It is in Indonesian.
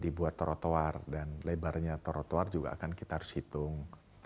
dibuat trotoar dan lebarnya trotoar juga akan kita harus hitung